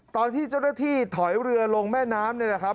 ตอนที่เจ้าหน้าที่ถอยเรือลงแม่น้ำเนี่ยนะครับ